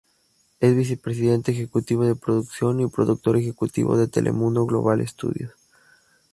Es vicepresidente ejecutivo de producción y productor ejecutivo de Telemundo Global Studios.